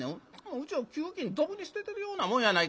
うちの給金どぶに捨ててるようなもんやない。